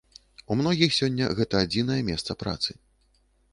У многіх сёння гэта адзінае месца працы.